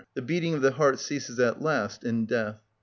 The beating of the heart ceases at last in death.